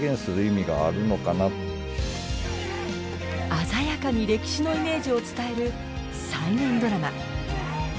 鮮やかに歴史のイメージを伝える再現ドラマ。